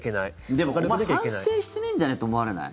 でも反省してないんじゃない？って思われない？